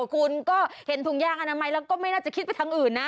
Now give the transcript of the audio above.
คุณก็เห็นถุงยางอนามัยแล้วก็ไม่น่าจะคิดไปทางอื่นนะ